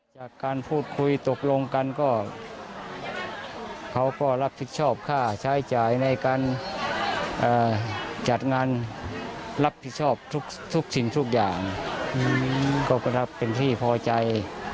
จากการพูดคุยตกลงกันก็เขาก็รับผิดชอบค่าใช้จ่ายในการจัดงานรับผิดชอบทุกสิ่งทุกอย่างก็รับเป็นที่พอใจ